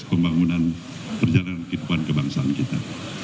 pembangunan perjalanan kehidupan kebangsaan kita